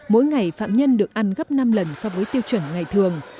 mỗi ngày phạm nhân được ăn gấp năm lần so với tiêu chuẩn ngày thường